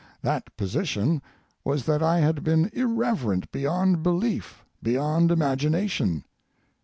That position was that I had been irreverent beyond belief, beyond imagination.